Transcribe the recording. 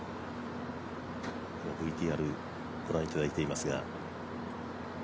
ＶＴＲ、ご覧いただいていますが。